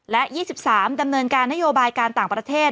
และยี่สิบสามดำเนินการนโยบายการต่างประเทศ